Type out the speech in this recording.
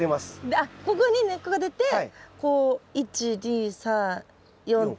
あっここに根っこが出てこう１２３４と。